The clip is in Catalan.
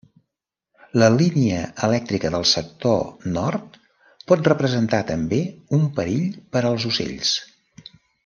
La línia elèctrica del sector nord pot representar també un perill per als ocells.